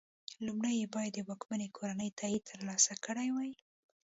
لومړی یې باید د واکمنې کورنۍ تایید ترلاسه کړی وای.